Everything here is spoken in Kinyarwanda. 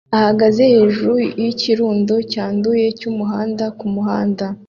ahagaze hejuru yikirundo cyanduye cyumuhanda kumuhanda